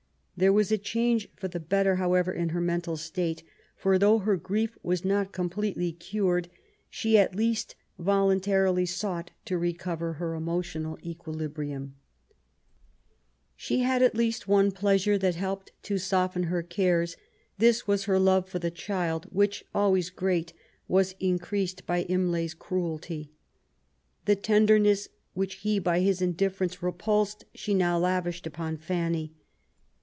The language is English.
There was a change for the better, however, in her mental state ; for though her grief was not completely cured, she at least voluntarily nought to recover her emotional equiHbrium. 144 MARY W0LL8T0NECBAFT GODWIN. She had at least one pleasure that helped to soften her cares. This was her love for the child^ which, always great^ was increased by Imlay's cruelty. The tenderness which he by his indifference repulsed^ she now lavished upon Fanny.